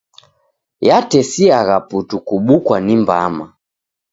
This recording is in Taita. Yatesiagha putu kubukwa ni mbama.